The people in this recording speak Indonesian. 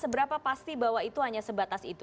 seberapa pasti bahwa itu hanya sebatas itu